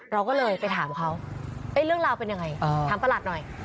เราก็เลยไปถามเขามันเป็นยังไงถามประหลัดหน่อย